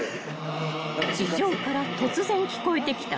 ［地上から突然聞こえてきた］